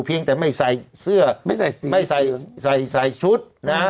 เพียงแต่ไม่ใส่เสื้อไม่ใส่ชุดนะฮะ